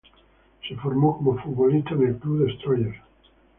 Se formó como futbolista en el club Destroyers.